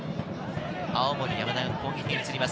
青森山田が攻撃に移ります。